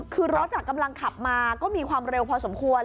คือรถกำลังขับมาก็มีความเร็วพอสมควร